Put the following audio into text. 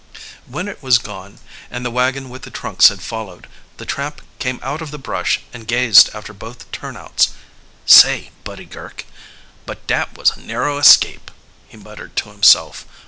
When it was gone, and the wagon with the trunks had followed, the tramp came out of the brush and gazed after both turnouts. "Say, Buddy Girk, but dat was a narrow escape," he muttered to himself.